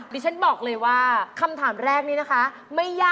ดิฉันกลัวว่าคุณจะเขียนข่าว